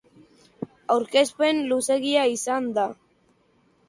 Aurkezpena luzeegia izan da.